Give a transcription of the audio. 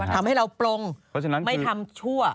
ทำให้เราปลงไม่ทำชั่ว